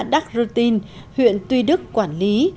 đắc rutin huyện tuy đức quản lý